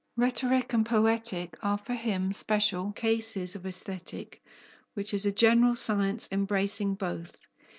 Rhetoric and Poetic are for him special cases of Aesthetic, which is a general science, embracing both.